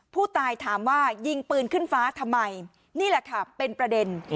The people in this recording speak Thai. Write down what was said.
ผู้ตายถามว่ายิงปืนขึ้นฟ้าทำไมนี่แหละค่ะเป็นประเด็น